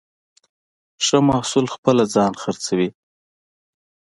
ښه محصول خپله ځان خرڅوي.